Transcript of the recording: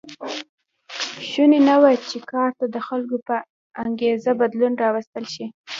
شونې نه وه چې کار ته د خلکو په انګېزه بدلون راوستل شي.